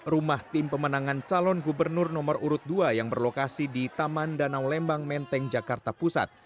rumah tim pemenangan calon gubernur nomor urut dua yang berlokasi di taman danau lembang menteng jakarta pusat